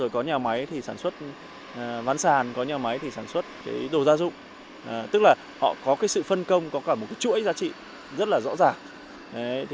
có nhà máy sản xuất đồ gia dụng tức là họ có sự phân công có cả một chuỗi giá trị rất rõ ràng